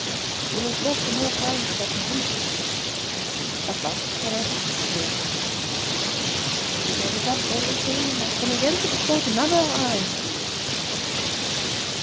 She was lost in all kinds of apprehensions. At last, however, he went on "We made it up, all the same, and I've come again to propose another arrangement."